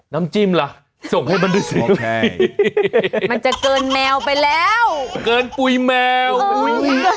น้ำจิ้มละส่งให้มันดูสิมันจะเกินแมวไปแล้วเกินปุ้ยแมวเออ